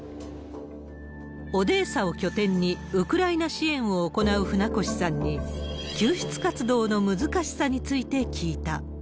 オデーサを拠点にウクライナ支援を行う船越さんに、救出活動の難しさについて聞いた。